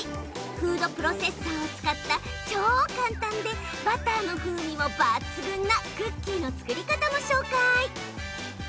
フードプロセッサーを使った超簡単で、バターの風味も抜群なクッキーの作り方も紹介。